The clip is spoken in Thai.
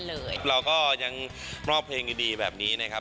เราก็ยังมอบเพลงดีแบบนี้นะครับ